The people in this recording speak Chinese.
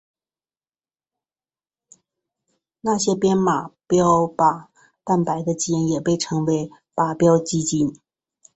那些编码靶标蛋白的基因也被称为靶标基因。